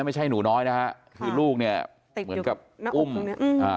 ไม่ใช่หนูน้อยนะฮะคือลูกเนี้ยเหมือนกับอุ้มอืมอ่า